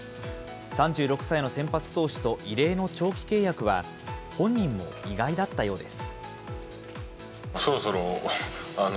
３６歳の先発投手と異例の長期契約は、本人も意外だったようです。